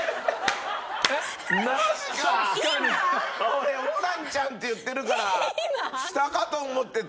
俺「ホランちゃん」って言ってるから下かと思ってた。